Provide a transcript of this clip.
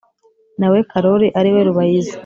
Na we Karoli ari we Rubayiza,